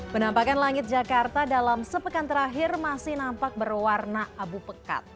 penampakan langit jakarta dalam sepekan terakhir masih nampak berwarna abu pekat